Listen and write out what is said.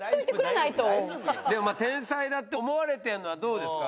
でもまあ天才だって思われてるのはどうですか？